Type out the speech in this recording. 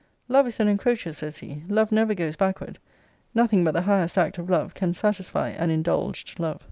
Love is an encroacher, says he: loves never goes backward. Nothing but the highest act of love can satisfy an indulged love.